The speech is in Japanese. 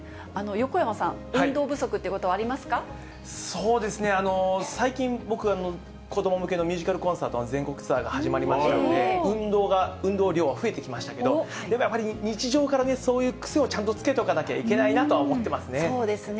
横山さん、最近、僕、子ども向けのミュージカルコンサートの全国ツアーが始まりましたので、運動が、運動量が増えてきましたけど、でもやっぱり日常からね、そういう癖をちゃんとつけておかなきゃいけないなとは思ってますそうですね。